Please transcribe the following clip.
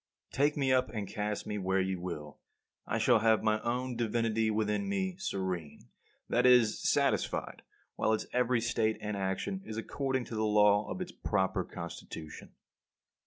45. Take me up and cast me where you will; I shall have my own divinity within me serene, that is, satisfied while its every state and action is according to the law of its proper constitution.